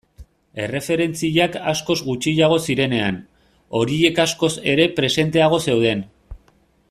Erreferentziak askoz gutxiago zirenean, horiek askoz ere presenteago zeuden.